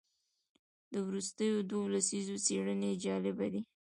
د وروستیو دوو لسیزو څېړنې جالبه دي.